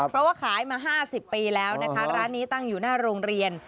เพราะว่าขายมา๕๐ปีแล้วนะคะร้านนี้ตั้งอยู่หน้าโรงเรียน